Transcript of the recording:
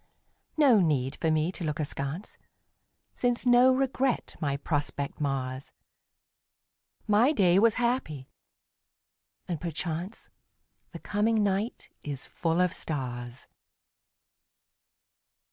No need for me to look askance, Since no regret my prospect mars. My day was happy and perchance The coming night is full of stars.